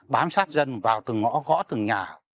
bám sát dân vào từng ngõ gõ từng nhà